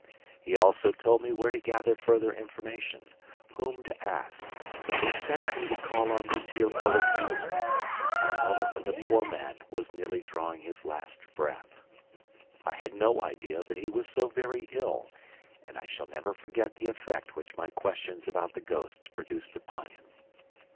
He also told me where to gather further information, whom to ask; and he sent me to call on M. Poligny, at a moment when the poor man was nearly drawing his last breath. I had no idea that he was so very ill, and I shall never forget the effect which my questions about the ghost produced upon him.